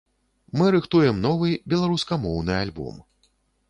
Мы рыхтуем новы, беларускамоўны альбом.